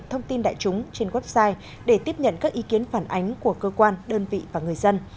thông tin đại chúng trên website để tiếp nhận các ý kiến phản ánh của cơ quan đơn vị và người dân